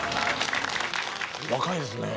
若いですね。